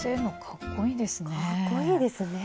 かっこいいですね。